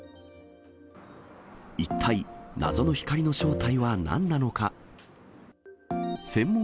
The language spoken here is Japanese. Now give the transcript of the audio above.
一体、謎の光の正体はなんなのか。